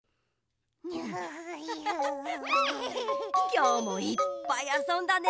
きょうもいっぱいあそんだね。